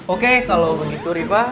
oke kalau begitu riva